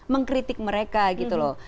mengkritik mereka gitu loh